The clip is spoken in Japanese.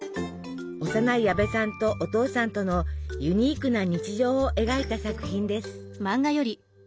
幼い矢部さんとお父さんとのユニークな日常を描いた作品です。